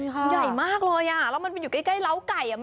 จริงค่ะใหญ่มากเลยอ่ะแล้วมันอยู่ใกล้เลาไก่อ่ะไม่